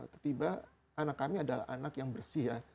tiba anak kami adalah anak yang bersih ya